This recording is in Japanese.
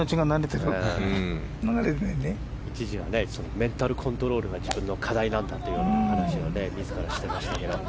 メンタルコントロールが自分の課題なんだと話していましたね。